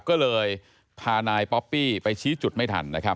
ก็เลยพานายป๊อปปี้ไปชี้จุดไม่ทันนะครับ